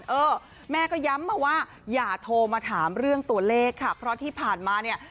เออแม่ก็ย้ำมาว่าอย่าโทรมาถามเรื่องตัวเลขค่ะเพราะที่ผ่านมาเนี่ย